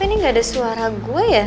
ini gak ada suara gue ya